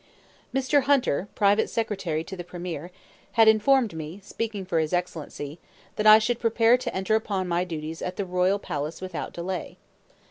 Mr. Hunter, private secretary to the premier, had informed me, speaking for his Excellency, that I should prepare to enter upon my duties at the royal palace without delay.